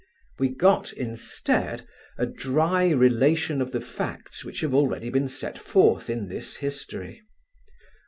We got, instead, a dry relation of the facts which have already been set forth in this history.